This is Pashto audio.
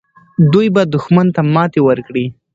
دوی به دښمن ته ماتې ورکړي.